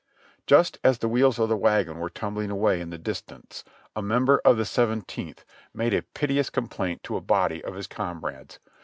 Just as the wheels of the wagon were rumbling away in the distance a member of the Seventeenth made a piteous com 268 JOHNNY REB and BILLY YANK plaint to a body of his comrades.